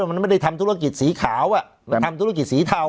มันไม่ได้ทำธุรกิจสีขาวมันทำธุรกิจสีเทา